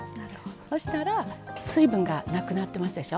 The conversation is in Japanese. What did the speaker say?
そしたら水分がなくなってますでしょう。